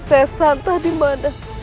saya santah dimana